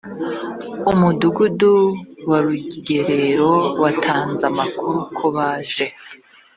umudugudu wa rugerero watanze amakuru ko baje